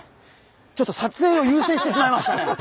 ちょっと撮影を優先してしまいましたね。